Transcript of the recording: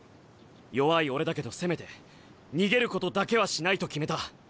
弱い俺だけどせめて逃げることだけはしないと決めた。